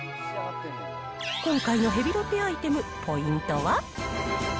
今回のヘビロテアイテム、ポイントは？